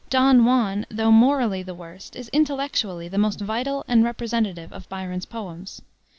Don Juan, though morally the worst, is intellectually the most vital and representative of Byron's poems.